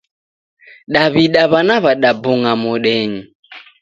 Daw'ida w'ana w'adabung'a modenyi.